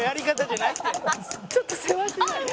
「ちょっとせわしない。